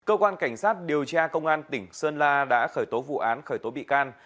cơ quan cảnh sát điều tra công an tỉnh sơn la đã khởi tố vụ án khởi tố bị can